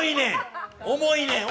重いねん！